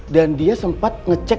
dan dia sempat ngecek